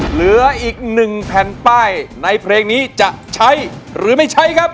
เหลืออีกหนึ่งแผ่นป้ายในเพลงนี้จะใช้หรือไม่ใช้ครับ